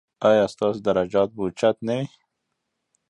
ایا ستاسو درجات به اوچت نه وي؟